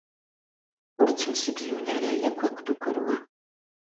Ur ttemsegzun ara akk akked ukerwa.